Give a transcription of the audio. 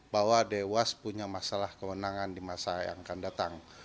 bahwa dewas punya masalah kewenangan di masa yang akan datang